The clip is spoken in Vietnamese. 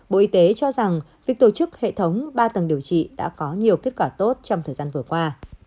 bộ y tế cho rằng việc tổ chức hệ thống ba tầng điều trị đã có nhiều kết quả tốt trong thời gian vừa qua